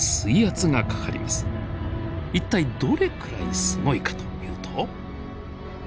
一体どれくらいすごいかというと。